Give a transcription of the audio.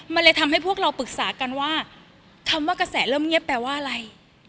มันเลยทำให้พวกเราปรึกษากันว่าคำว่ากระแสเริ่มเงียบแปลว่าอะไร